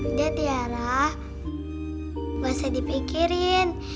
udah tiara gak usah dipikirin